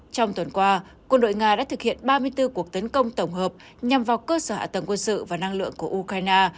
trong tuần qua quân đội nga đã thực hiện ba mươi bốn cuộc tấn công tổng hợp nhằm vào cơ sở hạ tầng quân sự và năng lượng của ukraine